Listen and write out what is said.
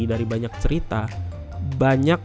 dari banyak cerita banyak